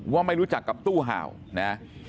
ไม่รู้จักกับตู้เห่านะ